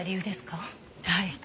はい。